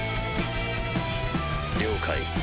了解。